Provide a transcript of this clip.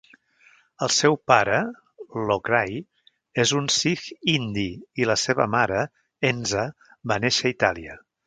El seu pare, Lokraj, és un sikh indi i la seva mare, Enza, va néixer a Itàlia.